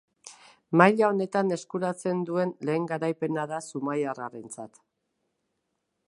Maila honetan eskuratzen duen lehen garaipena da zumaiarrarentzat.